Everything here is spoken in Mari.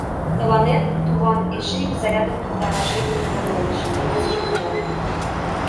— Тыланет, туван, эше ик зарядым пытарашет логалеш, — каласыш Гудар.